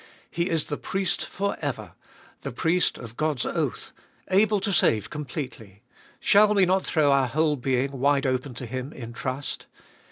He is the Priest for ever, the Priest of God's oath, able to save completely — shall we not throw our whole being wide open to Him in trust?